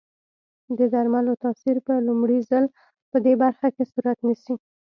د درملو تاثیر په لومړي ځل پدې برخه کې صورت نیسي.